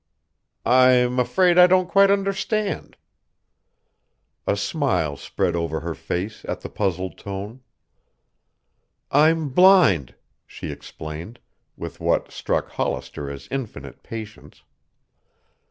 "I'm afraid I don't quite understand." A smile spread over her face at the puzzled tone. "I'm blind," she explained, with what struck Hollister as infinite patience.